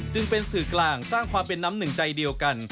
จึงเป็นสื่อกลางสร้างความเป็นน้ำหนึ่งใจเดียวกัน